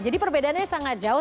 jadi perbedaannya sangat jauh